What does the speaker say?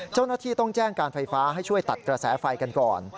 เจ้าหน้าที่ต้องแจ้งการไฟฟ้าให้ช่วยตัดกระแสไฟกันก่อน